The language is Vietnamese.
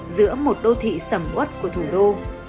giữa một đô thị sầm út của thủ đô